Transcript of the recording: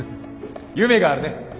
夢があるね。